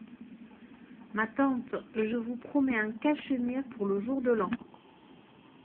Ma tante, je vous promets un cachemire pour le jour de l’an.